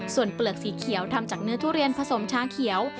ส่วนเปลือกสีเขียวทำจากเนื้อทุเรียนผสมช้างเขียว